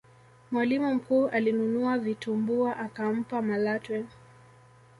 mwalimu mkuu alinunua vitumbua akampa malatwe